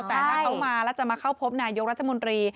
แต่ถ้าเขามาแล้วจะมาเข้าพบนายกรัฐมนตรี